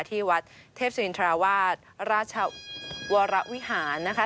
ที่วัดเทพศิรินทราวาสราชวรวิหารนะคะ